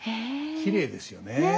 きれいですよねえ。